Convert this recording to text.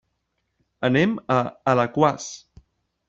Anem a Alaquàs.